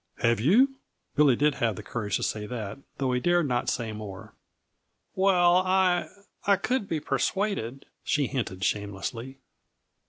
Have you?" Billy did have the courage to say that, though he dared not say more. "Well, I I could be persuaded," she hinted shamelessly.